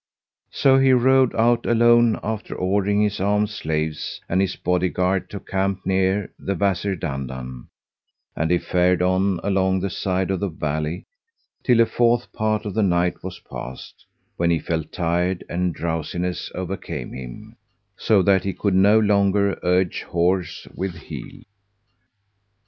So he rode out alone after ordering his armed slaves and his body guard to camp near the Wazir Dandan, and he fared on along the side of the valley till a fourth part of the night was passed, when he felt tired and drowsiness overcame him, so that he could no longer urge horse with heel.